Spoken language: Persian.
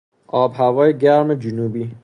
آب هوای گرم جنوبی